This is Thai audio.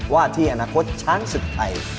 ว่าที่อนาคตช้างศึกไทย